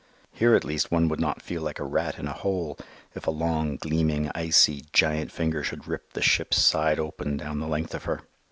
Here at least one would not feel like a rat in a hole if a long, gleaming, icy, giant finger should rip the ship's side open down the length of her.